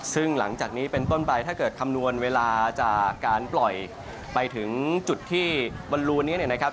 ซึ่งหลังจากนี้เป็นต้นไปถ้าเกิดคำนวณเวลาจากการปล่อยไปถึงจุดที่บนรูนี้เนี่ยนะครับ